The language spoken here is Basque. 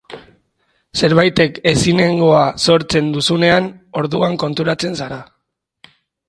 Zerbaitek ezinegona sortzen dizunean, orduan konturatzen zara.